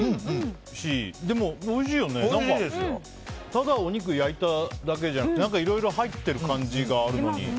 ただお肉焼いただけじゃなくていろいろ入っている感じがあるのに。